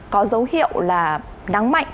có dấu hiệu là nắng mạnh